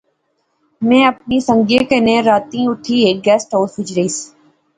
میں اپنے سنگئیں کنے راتی اتھیں ہیک گیسٹ ہائوس وچ رہیس